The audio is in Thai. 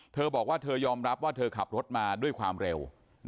เธอบอกว่าเธอยอมรับว่าเธอขับรถมาด้วยความเร็ว